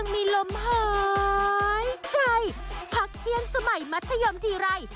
มาเคียงสมัยมัธยมทีไร